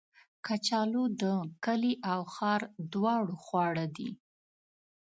کچالو د کلي او ښار دواړو خواړه دي